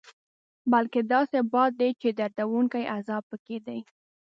بلکې داسې باد دی چې دردوونکی عذاب پکې دی.